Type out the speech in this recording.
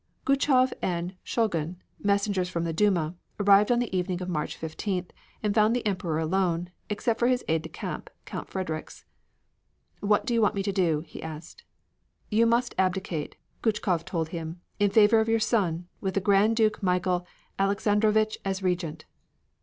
Guchkov and Shulgin, messengers from the Duma, arrived on the evening of March 15th, and found the Emperor alone, except for his aide de camp, Count Fredericks. "What do you want me to do?" he asked. "You must abdicate," Guchkov told him, "in favor of your son, with the Grand Duke Michael Alexandrovitch as Regent."